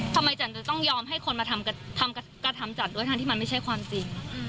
จันจะต้องยอมให้คนมาทำกระทำจัดด้วยทั้งที่มันไม่ใช่ความจริง